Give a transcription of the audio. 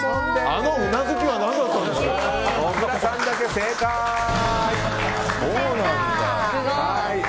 あの頷きは何だったんですか！